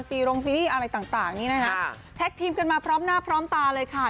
โรงซีรีส์อะไรต่างนี่นะคะแท็กทีมกันมาพร้อมหน้าพร้อมตาเลยค่ะ